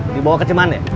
dibawa ke ceman ya